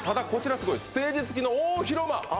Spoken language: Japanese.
すごいステージ付きの大広間あ